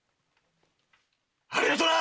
ありがとな！